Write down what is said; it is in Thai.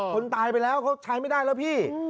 คนตายไปแล้วเขาใช้ไม่ได้แล้วพี่